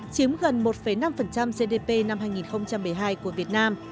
chiếm gần một năm gdp năm hai nghìn một mươi hai của việt nam